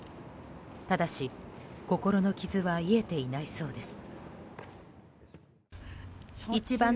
ただし心の傷は癒えていないそうです。